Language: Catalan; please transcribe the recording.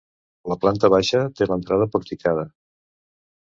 La planta baixa té l'entrada porticada.